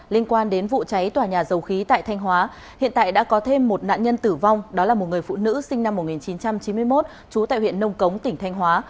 liên quan đến vụ cháy tòa nhà dầu khí tại thanh hóa hiện tại đã có thêm một nạn nhân tử vong đó là một người phụ nữ sinh năm một nghìn chín trăm chín mươi một trú tại huyện nông cống tỉnh thanh hóa